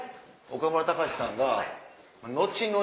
岡村隆史さんが後々。